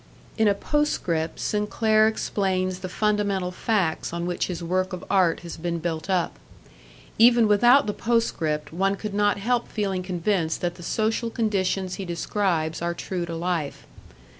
In a postscript Sinclair explains the fundamental facts on which his work of art has been built up. Even without the postscript one could not help feeling convinced that the social conditions he describes are true to life.